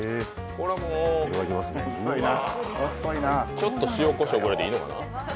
ちょっと塩こしょうでいいのかな。